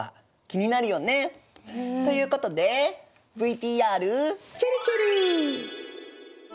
気になるよね？ということでＶＴＲちぇるちぇる。